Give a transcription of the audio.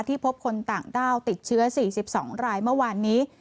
พบคนต่างด้าวติดเชื้อ๔๒รายเมื่อวานนี้